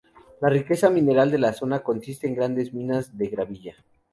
La riqueza mineral de la zona consiste en grandes minas de gravilla.